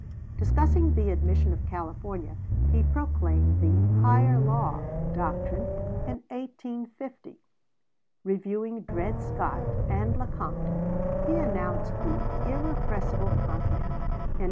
Discussing the admission of California, he proclaimed the "higher law" doctrine in 1850; reviewing Dred Scott and Lecompton, he announced the "irrepressible conflict" in 1858.